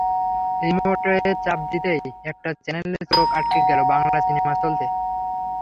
রিমোটে চাপ দিতেই একটা চ্যানেলে চোখ আটকে গেল, বাংলা সিনেমা চলছে।